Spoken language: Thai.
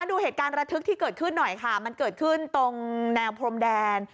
ดูเหตุการณ์ระทึกที่เกิดขึ้นหน่อยค่ะมันเกิดขึ้นตรงแนวพรมแดน